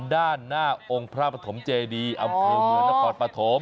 ด้านหน้าองค์พระปฐมเจดีอำเภอเมืองนครปฐม